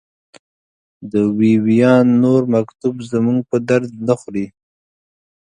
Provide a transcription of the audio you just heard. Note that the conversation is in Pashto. د وي ویان نور مکتوب زموږ په درد نه خوري.